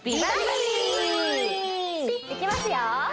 いきますよ